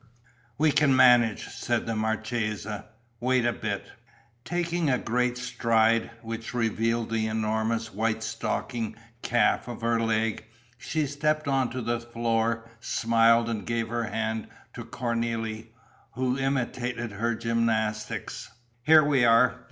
"We can manage!" said the marchesa. "Wait a bit." Taking a great stride, which revealed the enormous white stockinged calf of her leg, she stepped on to the floor, smiled and gave her hand to Cornélie, who imitated her gymnastics. "Here we are!"